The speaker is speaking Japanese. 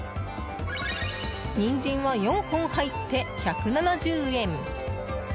ニンジンは４本入って１７０円。